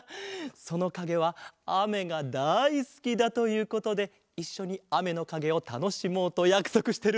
そのかげはあめがだいすきだということでいっしょにあめのかげをたのしもうとやくそくしてるんだアハハ。